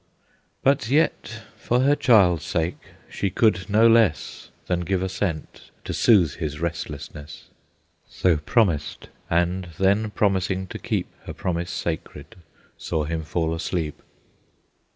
But yet, for her child's sake, she could no less Than give assent, to soothe his restlessness, So promised, and then promising to keep Her promise sacred, saw him fall asleep.